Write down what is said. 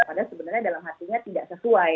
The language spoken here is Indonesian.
padahal sebenarnya dalam hatinya tidak sesuai